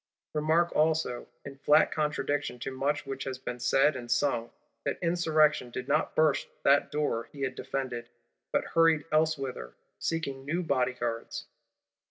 Remark also, in flat contradiction to much which has been said and sung, that Insurrection did not burst that door he had defended; but hurried elsewhither, seeking new bodyguards.